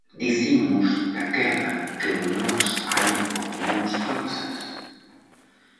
Dicimos, daquela, que en nós hai opinións falsas?